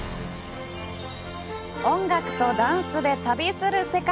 音楽とダンスで旅する世界！